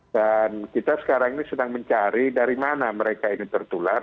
dan kita sekarang ini sedang mencari dari mana mereka ini tertular